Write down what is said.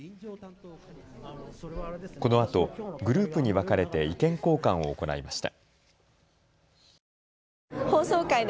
このあとグループに分かれて意見交換を行いました。